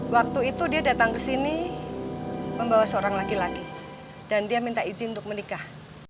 waktu itu dia datang ke sini membawa seorang laki laki dan dia minta izin untuk menikah